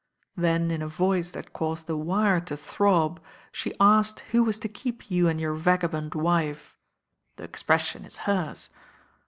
Then in a voice that caused the wire to throb she asked who was to keep you and your vagabond wife; the expression is hers.